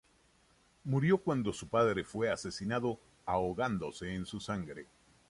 Murió cuando su padre fue asesinado, ahogándose en su sangre.